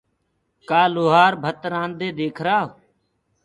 ڪآ لوهآرو ڀت رآنددي ديکرآئو